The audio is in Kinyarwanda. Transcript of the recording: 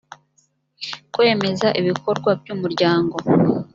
kwemeza ibikorwa by umuryango